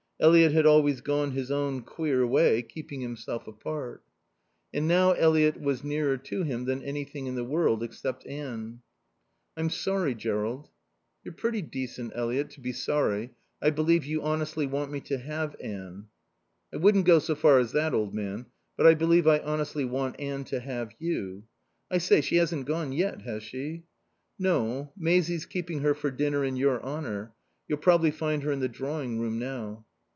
Eliot had always gone his own queer way, keeping himself apart. And now Eliot was nearer to him than anything in the world, except Anne. "I'm sorry, Jerrold." "You're pretty decent, Eliot, to be sorry I believe you honestly want me to have Anne." "I wouldn't go so far as that, old man. But I believe I honestly want Anne to have you.... I say, she hasn't gone yet, has she?" "No. Maisie's keeping her for dinner in your honour. You'll probably find her in the drawing room now."